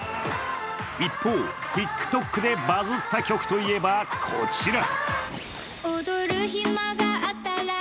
一方、ＴｉｋＴｏｋでバズった曲といえば、こちら。